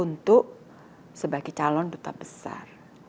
untuk sebagai calon duta besar